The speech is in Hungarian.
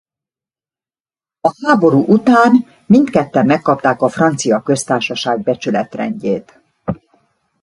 A háború után mindketten megkapták a Francia Köztársaság Becsületrendjét.